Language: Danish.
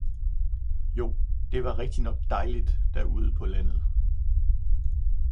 jo, der var rigtignok dejligt derude på landet!